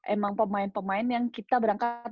emang pemain pemain yang kita berangkat